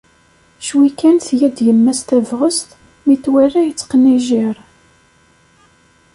Cwi kan tga-d yemma-s tabɣest mi t-twala yetteqnijjir.